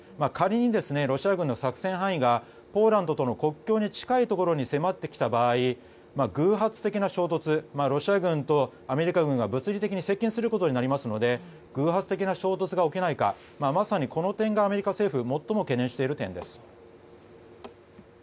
仮に、ロシア軍の作戦範囲がポーランドとの国境に近いところに迫ってきた場合ロシア軍とアメリカ軍が物理的に接近することになりますので偶発的な衝突が起きないかまさに、この点がアメリカ政府が最も懸念している点です。